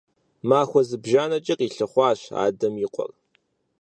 Махуэ зыбжанэкӀэ къилъыхъуащ адэм и къуэр.